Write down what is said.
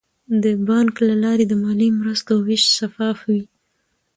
د بانک له لارې د مالي مرستو ویش شفاف وي.